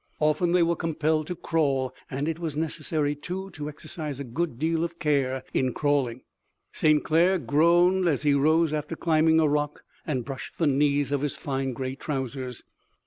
Often they were compelled to crawl, and it was necessary, too, to exercise a good deal of care in crawling. St. Clair groaned as he rose after climbing a rock, and brushed the knees of his fine gray trousers.